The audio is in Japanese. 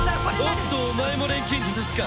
おっとお前も錬金術師か。